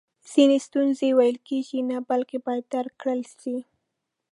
ځینې ستونزی ویل کیږي نه بلکې باید درک کړل سي!